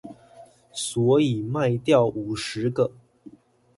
所以賣掉五十個